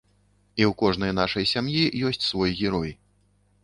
І ў кожнай нашай сям'і ёсць свой герой.